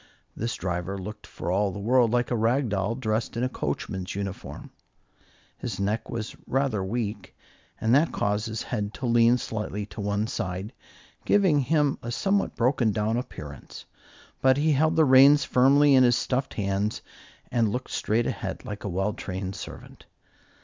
This driver looked for all the world like a rag doll dressed in a coachman's uniform. His neck was rather weak, and that caused his head to lean slightly to one side, giving him a somewhat broken down appearance; but he held the reins firmly in his stuffed hands and looked straight ahead, like a well trained servant.